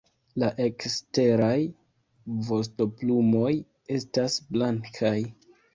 La eksteraj vostoplumoj estas blankaj.